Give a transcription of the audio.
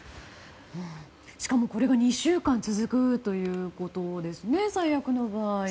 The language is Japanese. しかもこれが２週間続くということですね。